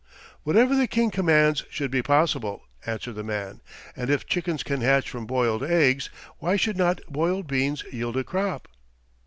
"Whatever the King commands should be possible," answered the man, "and if chickens can hatch from boiled eggs why should not boiled beans yield a crop?"